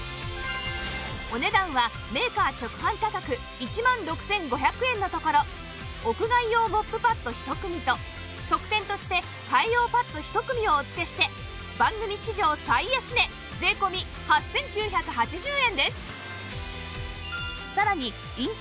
お値段はメーカー直販価格１万６５００円のところ屋外用モップパッド１組と特典として替え用パッド１組をお付けして番組史上最安値税込８９８０円です